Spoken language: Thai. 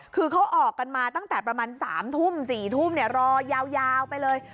คือเขาออกกันมาตั้งแต่ประมาณ๓ทุ่ม๔ทุ่มรอยาวไปเลย